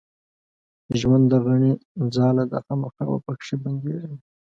ژوند د غڼي ځاله ده خامخا به پکښې بندېږې